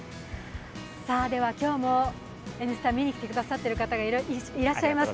では今日も「Ｎスタ」を見にきてくださってる方がいらっしゃいます。